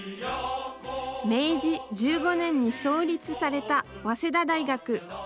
明治１５年に創立された早稲田大学。